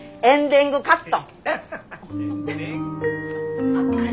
エンデングカットうん。